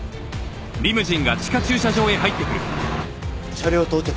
車両到着。